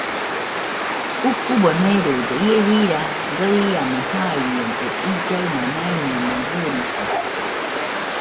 Ukube meride ie jira gaɨriamo jaiakañede; illaɨma maimɨena gɨritate